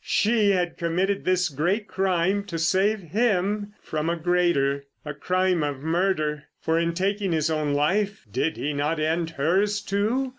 She had committed this great crime to save him from a greater. A crime of murder, for in taking his own life did he not end hers, too?